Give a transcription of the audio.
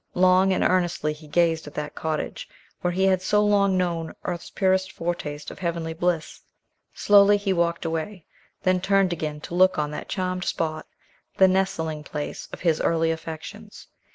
Long and earnestly he gazed at that cottage, where he had so long known earth's purest foretaste of heavenly bliss. Slowly he walked away; then turned again to look on that charmed spot, the nestling place of his early affections.